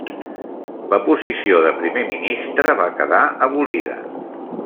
La posició de primer ministre va quedar abolida.